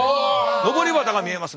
のぼり旗が見えますね。